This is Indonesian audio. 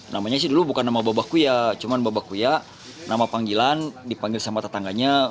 namanya sih dulu bukan nama babahkuya cuma babahkuya nama panggilan dipanggil sama tetangganya